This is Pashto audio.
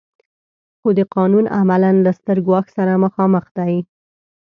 خو دا قانون عملاً له ستر ګواښ سره مخامخ دی.